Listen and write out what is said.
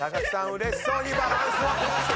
うれしそうにバランスを崩した。